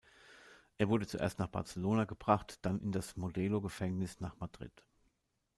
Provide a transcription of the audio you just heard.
Er wurde zuerst nach Barcelona gebracht, dann in das "Modelo"-Gefängnis nach Madrid.